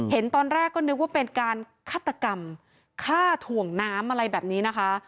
เห็นตอนแรกก็นึกว่าเป็นการฆาตกรรมฆ่าถ่วงน้ำอะไรแบบนี้นะคะ